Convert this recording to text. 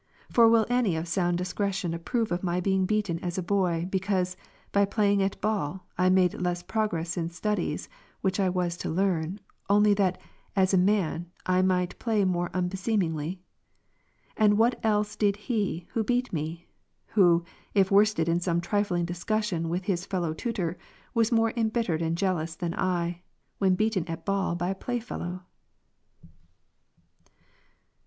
For will any of sound discretion approve of my being beaten as a boy, because, by playing at ball, I made less progress in studies which I was to learn, only that, as a man, I might play more unbeseemingly ? And what else did he, who beat me ? who, if worsted in some trifling discussion with his fellow tutor, was more embittered and jealous than I, when beaten at ball by a play fellow